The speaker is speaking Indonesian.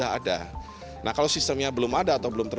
varian dari khususnya diresan materis school report